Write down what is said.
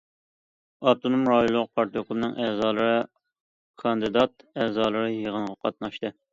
ئاپتونوم رايونلۇق پارتكومنىڭ ئەزالىرى، كاندىدات ئەزالىرى يىغىنغا قاتناشتى.